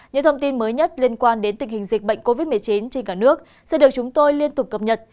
những thông tin mới nhất liên quan đến tình hình dịch bệnh covid một mươi chín trên cả nước sẽ được chúng tôi liên tục cập nhật